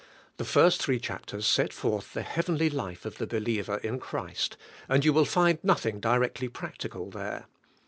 The first three chapters set forth the heavenly life of the believer in Christ, you you will find nothing directly practical there.